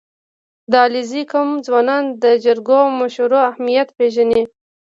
• د علیزي قوم ځوانان د جرګو او مشورو اهمیت پېژني.